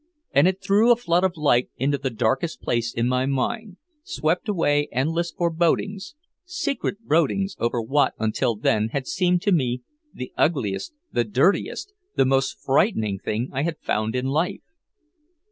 And it threw a flood of light into the darkest place in my mind, swept away endless forebodings, secret broodings over what until then had seemed to me the ugliest, the dirtiest, the most frightening thing I had found in life.